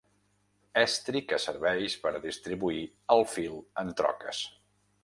Estri que serveix per a distribuir el fil en troques.